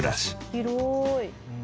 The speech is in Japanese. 広い！